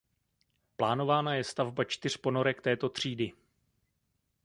Plánována je stavba čtyř ponorek této třídy.